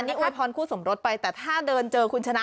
นี่อวยพรคู่สมรสไปแต่ถ้าเดินเจอคุณชนะ